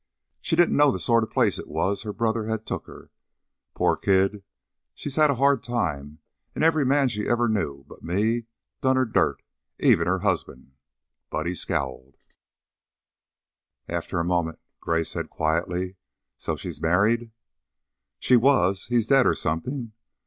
She didn't know the sort of place it was her brother had took her. Pore kid! She's had a hard time, an' every man she ever knew, but me, done her dirt. Even her husband." Buddy scowled. After a moment Gray said, quietly, "So, she's married?" "She was. He's dead, or something.